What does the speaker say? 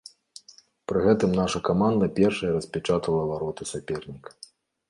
Пры гэтым наша каманда першай распячатала вароты саперніка.